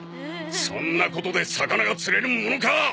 そんなことで魚が釣れるものか！